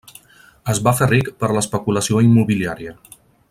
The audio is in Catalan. Es va fer ric per l'especulació immobiliària.